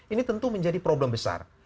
ini tentu menjadi problem besar